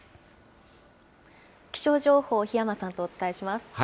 気象情報、檜山さんとお伝えします。